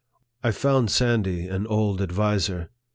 I found Sandy an old adviser.